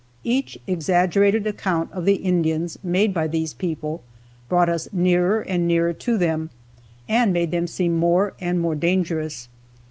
Each exaggerated account of the Indians made by these people, brought us nearer and nearer to them and made them seem more and more dangerous.